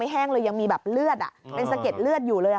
แห้งเลยยังมีแบบเลือดเป็นสะเก็ดเลือดอยู่เลย